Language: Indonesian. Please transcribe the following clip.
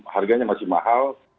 harganya masih mahal